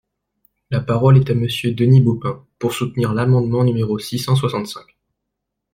La parole est à Monsieur Denis Baupin, pour soutenir l’amendement numéro six cent soixante-cinq.